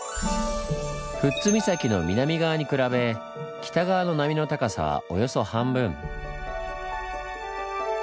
富津岬の南側に比べ北側の波の高さはおよそ半分。